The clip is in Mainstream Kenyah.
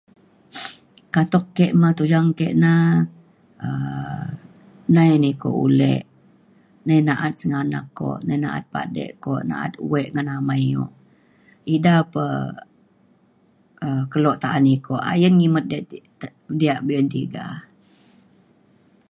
katuk ke me tuyang ke na um nai na iko ulek. nai na’at sengganak ko nai na’at pade ko na’at wek ngan amai o. ida pe um kelo ta’an iko. ayen ngimet dia- diak te- diak be’un tiga